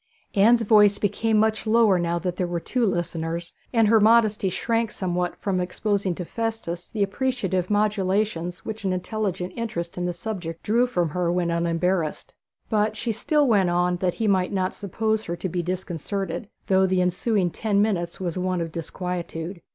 Anne's voice became much lower now that there were two listeners, and her modesty shrank somewhat from exposing to Festus the appreciative modulations which an intelligent interest in the subject drew from her when unembarrassed. But she still went on that he might not suppose her to be disconcerted, though the ensuing ten minutes was one of disquietude.